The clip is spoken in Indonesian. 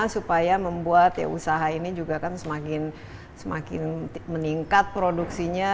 supaya membuat usaha ini juga kan semakin meningkat produksinya